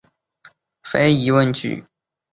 是非疑问句是对命题真值的询问。